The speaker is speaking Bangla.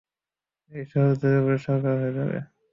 এই শহর জ্বলেপুড়ে ছারখার হয়ে যাবে।